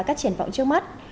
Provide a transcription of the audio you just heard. các triển vọng trước mắt